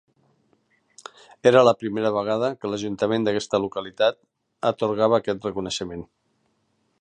Era la primera vegada que l'ajuntament d'aquesta localitat atorgava aquest reconeixement.